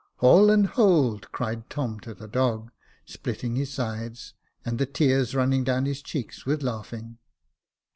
"Haul and hold," cried Tom to the dog, splitting his sides and the tears running down his cheeks with laughing.